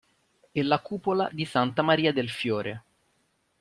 E la cupola di Santa Maria del Fiore.